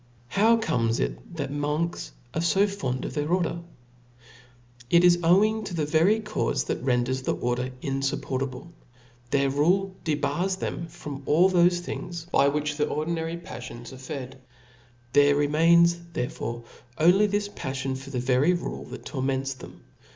How comes it that monks are fo fond of their order ? it is owing to the very caufe that renders the order in fup portable. Their rule debars them of all thofe things by which the ordinary paflions arc fed ; there remains therefore only this paflion for the very rule that torments them.